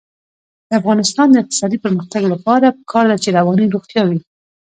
د افغانستان د اقتصادي پرمختګ لپاره پکار ده چې رواني روغتیا وي.